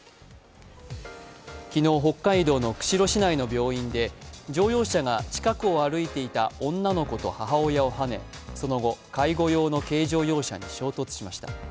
昨日、北海道の釧路市内の病院で乗用車が近くを歩いていた女の子と母親をはねその後、介護用の軽乗用車に衝突しました。